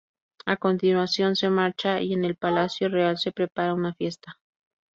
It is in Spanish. A continuación, se marcha y en el palacio real se prepara una fiesta.